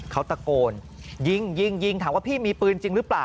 เขาตะโกนยิงยิงยิงถามว่าพี่มีปืนจริงหรือเปล่า